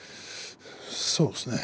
そうですね。